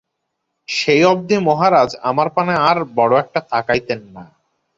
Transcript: সেই অবধি মহারাজ আমার পানে আর বড় একটা তাকাইতেন না।